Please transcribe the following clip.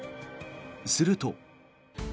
すると。